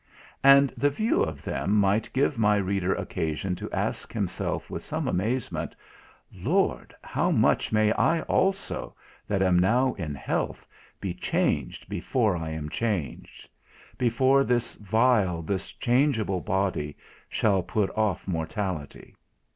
And the view of them might give my reader occasion to ask himself with some amazement, "Lord! how much may I also, that am now in health, be changed before I am changed; before this vile, this changeable body shall put off mortality!"